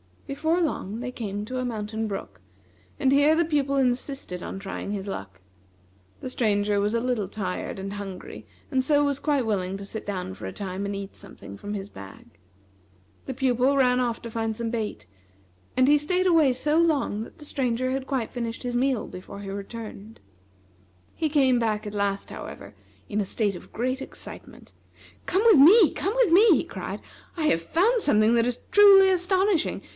Before long they came to a mountain brook, and here the Pupil insisted on trying his luck. The Stranger was a little tired and hungry, and so was quite willing to sit down for a time and eat something from his bag. The Pupil ran off to find some bait, and he staid away so long that the Stranger had quite finished his meal before he returned. He came back at last, however, in a state of great excitement. "Come with me! come with me!" he cried. "I have found something that is truly astonishing!